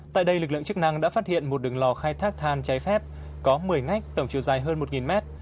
tại đây lực lượng chức năng đã phát hiện một đường lò khai thác than trái phép có một mươi ngách tổng chiều dài hơn một mét